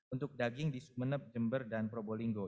untuk daging di sumeneb jember dan probolinggo